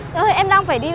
đây là gì đây ạ